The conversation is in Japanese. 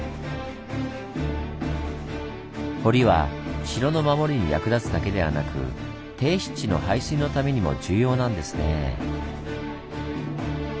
堀は城の守りに役立つだけではなく低湿地の排水のためにも重要なんですねぇ。